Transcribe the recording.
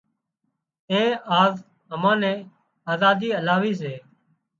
تين آز امان نين آزادي الاوي سي